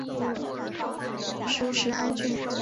属始安郡。